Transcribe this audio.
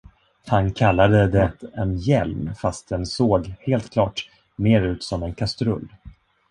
Han kallade det en hjälm, fast den såg, helt klart, mer ut som en kastrull.